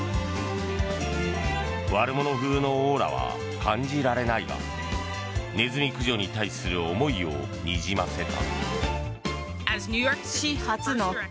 悪者風のオーラは感じられないがネズミ駆除に対する思いをにじませた。